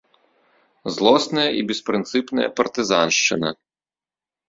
Злосная і беспрынцыпная партызаншчына!